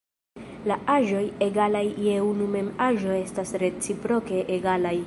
La aĵoj egalaj je unu mem aĵo estas reciproke egalaj.